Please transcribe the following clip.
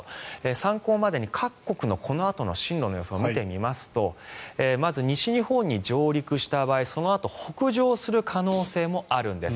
参考までに各国のこのあとの進路の予想を見てみますとまず西日本に上陸した場合そのあと北上する可能性もあるんです。